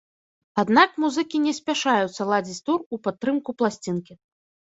Аднак музыкі не спяшаюцца ладзіць тур у падтрымку пласцінкі.